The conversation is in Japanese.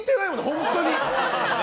本当に。